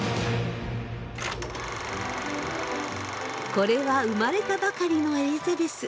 これは生まれたばかりのエリザベス。